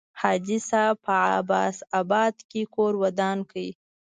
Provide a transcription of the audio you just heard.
حاجي صاحب په عباس آباد کې کور ودان کړ.